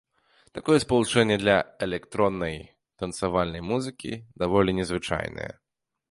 Такое спалучэнне для электроннай танцавальнай музыкі даволі незвычайнае.